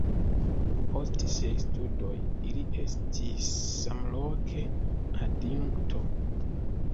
Post siaj studoj li estis samloke adjunkto.